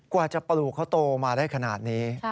กว่าจะปลูกเขาโตมาได้ขนาดนี้